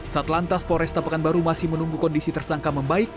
satu lantas poresta pekanbaru masih menunggu kondisi tersangka membaik